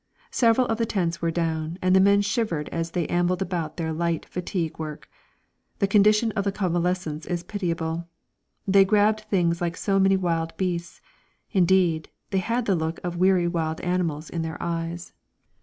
Several of the tents were down, and the men shivered as they ambled about their light fatigue work. The condition of the convalescents is pitiable. They grabbed things like so many wild beasts; indeed, they had the look of weary wild beasts in their eyes.